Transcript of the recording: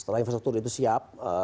setelah infrastruktur itu siap